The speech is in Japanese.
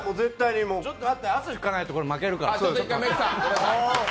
ちょっと待って、汗拭かないと負けるから。